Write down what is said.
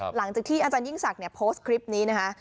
หลังจากที่อาจารยิ่งศักดิ์โพสต์คลิปนี้นะคะ